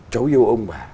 cháu yêu ông bà